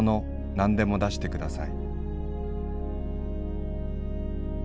何でも出してください」。